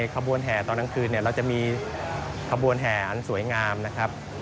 ขบวนแห่ตอนกลางคืนเราจะมีขบวนแห่สวยงามนะครับ